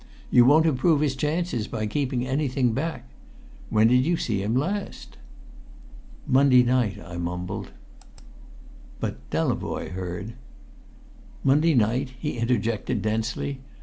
You won't improve his chances by keeping anything back. When did you see him last?" "Monday night," I mumbled. But Delavoye heard. "Monday night?" he interjected densely.